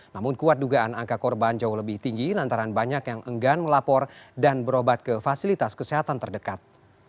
namun kuat dugaan angka korban jauh lebih tinggi lantaran banyak yang enggan melapor dan berobat ke fasilitas kesehatan terdekat